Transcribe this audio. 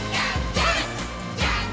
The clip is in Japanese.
ジャンプ！！」